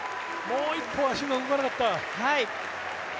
もう１歩、足が動かなかった。